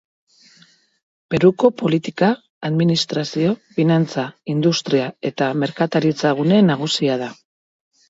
Peruko politika, administrazio, finantza, industria eta merkataritzagune nagusia da.